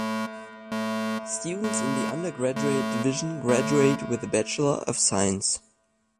Students in the undergraduate division graduate with a Bachelor of Science.